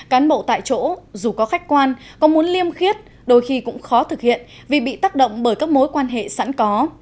cán bộ tại chỗ dù có khách quan có muốn liêm khiết đôi khi cũng khó thực hiện vì bị tác động bởi các mối quan hệ sẵn có